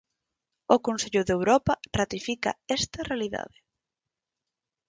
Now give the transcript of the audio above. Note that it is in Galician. O Consello de Europa ratifica esta realidade.